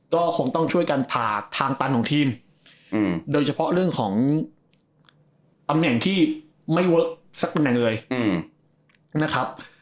ก็คงต้องช่วยกันผ่าทางตันของทีมโดยเฉพาะเรื่องของตำแหน่งที่ไม่เวิร์คสักตำแหน่งเลยนะครับ